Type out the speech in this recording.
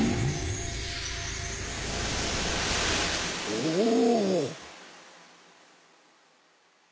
おお！